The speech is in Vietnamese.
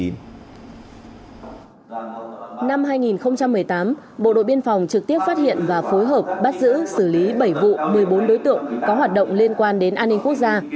năm hai nghìn một mươi tám bộ đội biên phòng trực tiếp phát hiện và phối hợp bắt giữ xử lý bảy vụ một mươi bốn đối tượng có hoạt động liên quan đến an ninh quốc gia